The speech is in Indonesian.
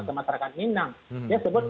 ke masyarakat minang dia sebut